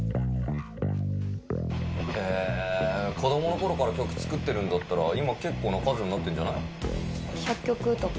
へー、子どものころから曲作ってるんだったら今、結構な数になってんじ１００曲とか。